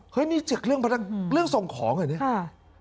เฮ้ยนี่เรื่องส่งของเหรอเนี่ย